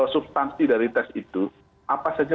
substansi dari tes itu apa saja